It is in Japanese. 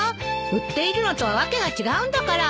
売っているのとはわけが違うんだから。